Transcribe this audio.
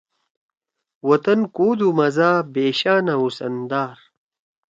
وطن کو دُو مزا، بےشانا حُسن دار